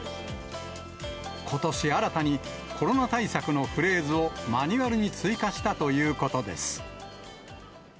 ことし新たに、コロナ対策のフレーズをマニュアルに追加したということです。